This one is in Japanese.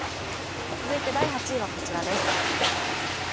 続いて第８位はこちらです。